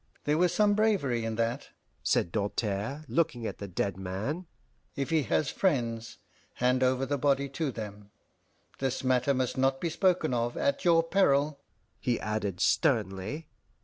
"There was some bravery in that," said Doltaire, looking at the dead man. "If he has friends, hand over the body to them. This matter must not be spoken of at your peril," he added sternly.